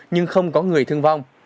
nhưng không có người thương vong